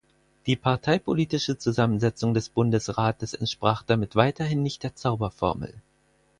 Die parteipolitische Zusammensetzung des Bundesrates entsprach damit weiterhin nicht der Zauberformel.